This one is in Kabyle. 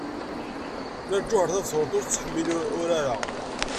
Nna Lǧuheṛ Tabetṛunt ur tettḥemmil urar-a.